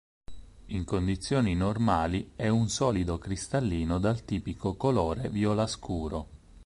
In condizioni normali è un solido cristallino dal tipico colore viola scuro.